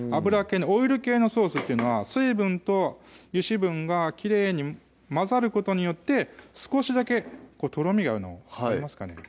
オイル系のソースっていうのは水分と油脂分がきれいに混ざることによって少しだけとろみがあるの分かりますかね